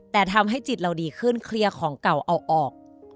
แต่ทำให้จิตเราดีขึ้นเคลียร์ของเก่าเอาออก